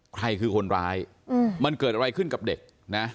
ใครคือคนร้ายมันเกิดอะไรขึ้นกับเด็กนะ